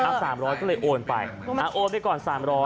เอา๓๐๐ก็เลยโอนไปโอนไปก่อน๓๐๐